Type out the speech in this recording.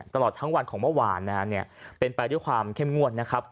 ตลอดทั้งวันของเมื่อวานเป็นแปดด้วยความเข้มงวด